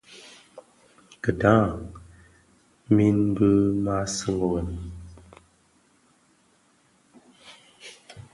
Kidhaň min bi maa seňi wêm,